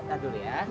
dari dulu ya